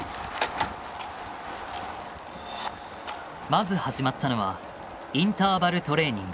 まず始まったのはインターバルトレーニング。